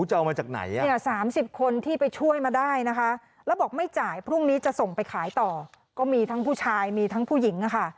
จะเอามาจากไหนอ่ะเนี่ย๓๐คนที่ไปช่วยมาได้นะคะแล้วบอกไม่จ่ายพรุ่งนี้จะส่งไปขายต่อก็มีทั้งผู้ชายมีทั้งผู้หญิงอะค่ะ